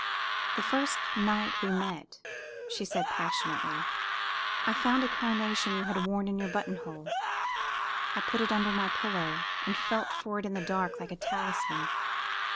"The first night we met," she said, passionately, "I found a carnation you had worn in your button hole. I put it under my pillow, and felt for it in the dark like a talisman.